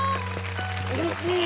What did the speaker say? うれしい！